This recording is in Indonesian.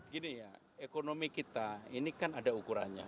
gini ya ekonomi kita ini kan ada ukurannya